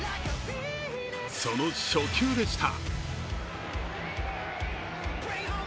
その初球でした。